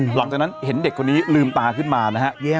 หลังจากนั้นเห็นเด็กคนนี้ลืมตาขึ้นมานะฮะ